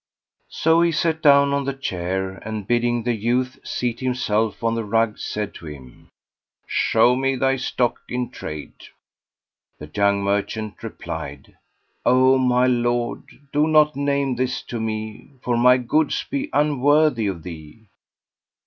So he sat down on the chair and bidding the youth seat himself on the rug said to him, "Show me thy stock in trade!" The young merchant replied, "O my Lord, do not name this to me, for my goods be unworthy of thee."